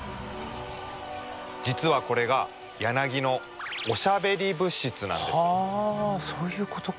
実はこれがヤナギのそういうことか。